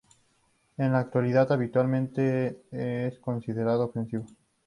En la actualidad, habitualmente es considerado ofensivo.